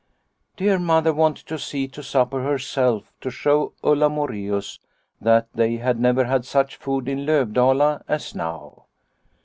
" Dear Mother wanted to see to supper herself to show Ulla Moreus that they had never had such food in Lovdala as now.